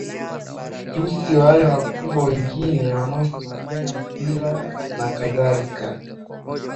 tusi wale wakubwa wengine wanaosimamia mpira na kadhalika